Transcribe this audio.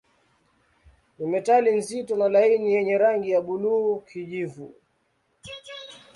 Ni metali nzito na laini yenye rangi ya buluu-kijivu.